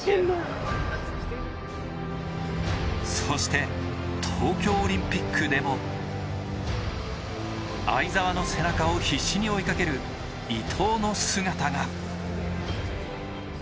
そして、東京オリンピックでも相澤の背中を必死に追いかける伊藤の姿が。